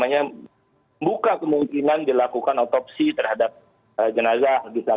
untuk buka kemungkinan dilakukan otopsi terhadap jenazah